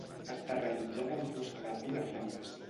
Està realitzada amb fusta de pi de Flandes.